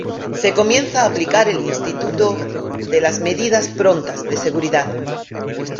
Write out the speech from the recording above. Se comienza a aplicar el instituto de las medidas prontas de seguridad.